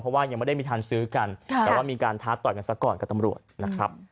เพราะว่ายังไม่ได้มีทันซื้อกันแต่ว่ามีการท้าต่อยกันซะก่อนกับตำรวจนะครับ